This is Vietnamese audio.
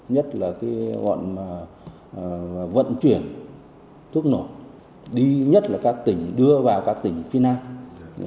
nhất là vận chuyển thuốc nổ đi nhất là các tỉnh đưa vào các tỉnh phi năng